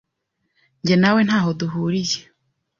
Jye nawe ntaho duhuriye.